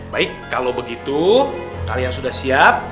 baik kalau begitu kalian sudah siap